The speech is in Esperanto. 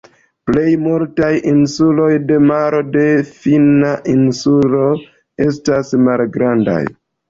Plej multaj insuloj de Maro de Finna insularo estas malgrandaj.